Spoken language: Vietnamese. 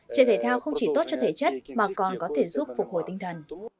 chơi thể thao không chỉ tốt cho thể chất mà còn có thể giúp phục hồi tinh thần